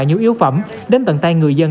nhu yếu phẩm đến tận tay người dân